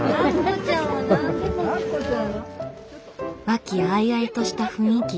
和気あいあいとした雰囲気。